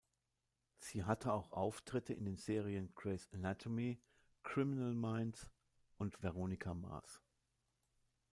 Sie hatte auch Auftritte in den Serien "Grey’s Anatomy", "Criminal Minds" und "Veronica Mars".